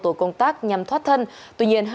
tổ công tác nhằm thoát thân tuy nhiên